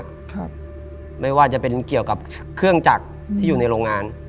ครับไม่ว่าจะเป็นเกี่ยวกับเครื่องจักรที่อยู่ในโรงงาน